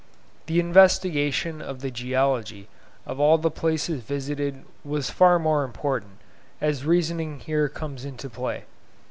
The investigation of the geology of all the places visited was far more important, as reasoning here comes into play.